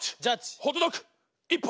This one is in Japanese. ホットドッグ１本。